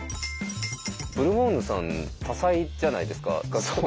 ブルボンヌさん多才じゃないですか。